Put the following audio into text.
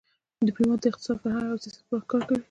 ډيپلومات د اقتصاد، فرهنګ او سیاست په برخه کې کار کوي.